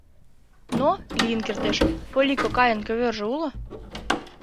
Но, лийын кертеш, Полли кокайын ковёржо уло?